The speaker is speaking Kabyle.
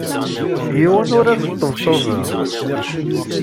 Yiwen ur as-sṭebṭubeɣ.